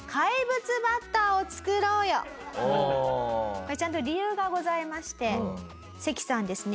これちゃんと理由がございましてセキさんですね。